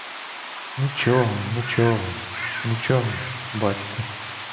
Нічого, нічого, нічого, батьку.